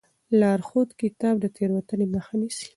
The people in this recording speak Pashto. لارښود کتاب د تېروتنې مخه نیسي.